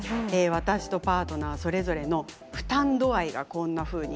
私とパートナーそれぞれの負担度合いがこんなふうに。